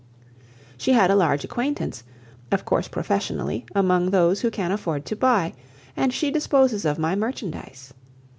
She had a large acquaintance, of course professionally, among those who can afford to buy, and she disposes of my merchandise.